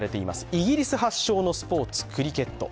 イギリス発祥のスポーツ、クリケット。